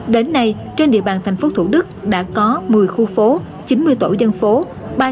đến nay trên địa bàn thành phố thủ đức đã có một mươi khu phố chín mươi tổ dân phố ba trăm tám mươi bảy hẻm